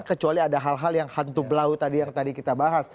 kecuali ada hal hal yang hantu blau tadi yang terjadi